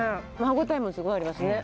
歯応えもすごいありますね。